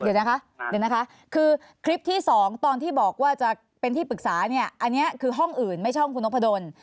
เดี๋ยวนะคะคือคลิปที่สองตอนที่บอกว่าจะเป็นที่ปรึกษาเนี่ยอันนี้คือห้องอื่นไม่ใช่ห้องคุณพระดน